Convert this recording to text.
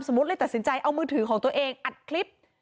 เลยตัดสินใจเอามือถือของตัวเองอัดคลิป